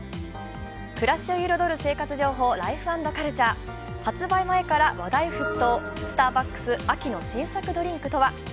暮らしを彩る生活情報、「ライフ＆カルチャー」、発売前から話題沸騰スターバックス、秋の新作ドリンクとは。